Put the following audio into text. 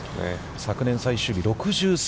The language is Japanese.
◆昨年、最終日６３。